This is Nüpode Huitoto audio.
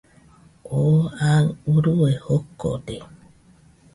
Oo aɨ urue jokode